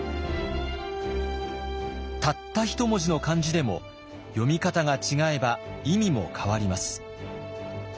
たった一文字の漢字でも読み方が違えば意味も変わります。